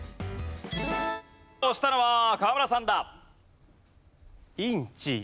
押したのは河村さんだ。